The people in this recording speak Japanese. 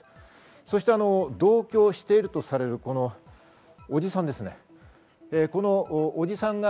そして同居しているとされる伯父さんですね。